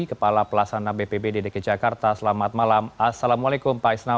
kepala pelasana bpb dg jakarta selamat malam assalamualaikum pak isnawa